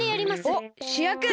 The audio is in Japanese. おっしゅやく！